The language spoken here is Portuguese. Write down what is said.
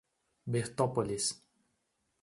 Bertópolis